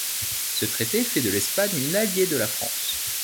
Ce traité fait de l'Espagne une alliée de la France.